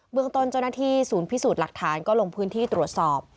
เมืองต้นเจ้าหน้าที่ศูนย์พิสูจน์หลักฐานก็ลงพื้นที่ตรวจสอบ